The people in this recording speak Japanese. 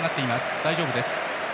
大丈夫です。